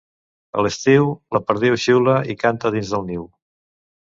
A l'estiu, la perdiu xiula i canta dins del niu.